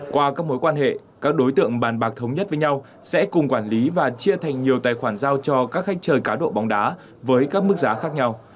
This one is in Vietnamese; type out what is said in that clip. qua các mối quan hệ các đối tượng bàn bạc thống nhất với nhau sẽ cùng quản lý và chia thành nhiều tài khoản giao cho các khách chơi cá độ bóng đá với các mức giá khác nhau